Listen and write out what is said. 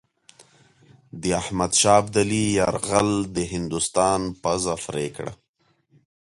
د احمدشاه ابدالي یرغل د هندوستان پزه پرې کړه.